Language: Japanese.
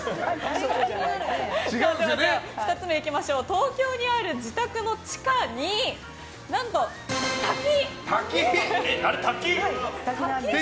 東京にある自宅の地下にあれ、滝？